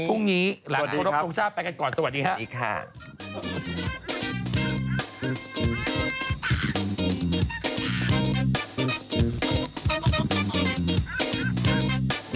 หลังความรับปรุงชาติไปกันก่อนสวัสดีครับ